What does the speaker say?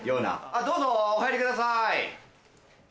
どうぞお入りください。